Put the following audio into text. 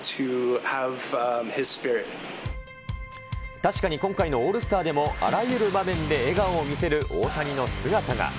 確かに今回のオールスターでも、あらゆる場面で笑顔を見せる大谷の姿が。